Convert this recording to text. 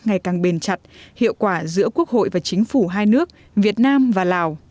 ngày càng bền chặt hiệu quả giữa quốc hội và chính phủ hai nước việt nam và lào